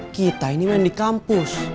kita ini main di kampus